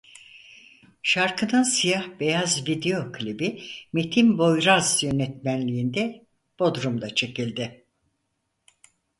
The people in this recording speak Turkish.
Şarkının siyah beyaz video klibi Metin Boyraz yönetmenliğinde Bodrum da çekildi.